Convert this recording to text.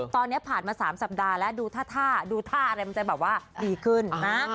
ตอนนี้ผ่านมา๓สัปดาห์แล้วดูท่าที่มันจะดีขึ้นนะ